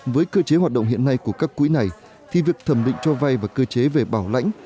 với cơ chế hoạt động hiện nay của các quỹ này thì việc thẩm định cho vay và cơ chế về bảo lãnh